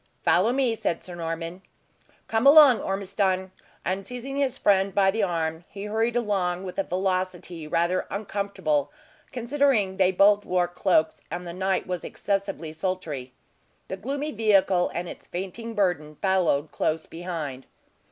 "Follow me," said Sir Norman. "Come along, Ormiston." And seizing his friend by the arm, he hurried along with a velocity rather uncomfortable, considering they both wore cloaks, and the night was excessively sultry. The gloomy vehicle and its fainting burden followed close behind.